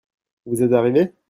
Vous êtes arrivé ?